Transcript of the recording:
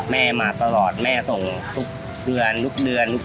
แม่มาตลอดแม่ส่งทุกเดือนทุกเดือน